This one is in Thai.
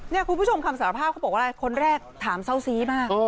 นี่คุณผู้ชมคำสารภาพเขาบอกว่าคนแรกถามเศร้าซีมาก